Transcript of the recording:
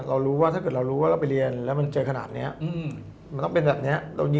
เรารู้ที่เรารู้ว่าเราไปเรียนแล้วมันเจอขนาดนะมันจะมีปัญหาแบบนี้